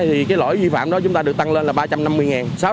thì lỗi vi phạm đó chúng ta được tăng lên ba trăm năm mươi ngàn